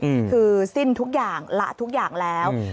อืมคือสิ้นทุกอย่างละทุกอย่างแล้วอืม